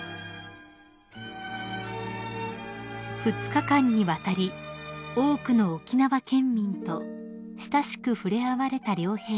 ［２日間にわたり多くの沖縄県民と親しく触れ合われた両陛下］